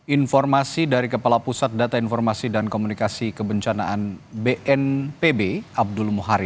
informasi dari kepala pusat data informasi dan komunikasi kebencanaan bnpb abdul muhari